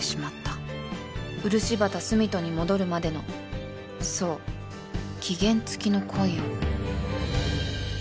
漆畑澄人に戻るまでのそう期限付きの恋を